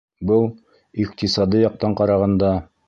— Был — иҡтисади яҡтан ҡарағанда.